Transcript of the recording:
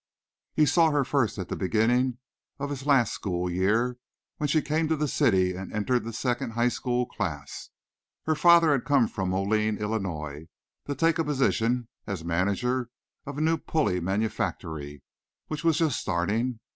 He saw her first at the beginning of his last school year when she came to the city and entered the second high school class. Her father had come from Moline, Illinois, to take a position as manager of a new pulley manufactory which was just starting.